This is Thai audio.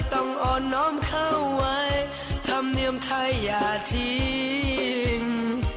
ต้องอ่อนน้อมเข้าไว้ทำเนียมไทยอย่าทิ้ง